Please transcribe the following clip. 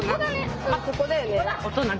ここだよね。